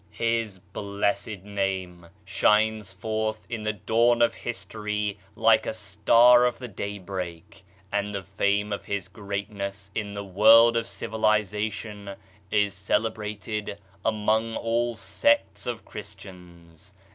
His blessed name shines forth in the dawn of history like a star of the day break; and the fame of his greatness in the world of civilization is cele brated among all sects of Christians.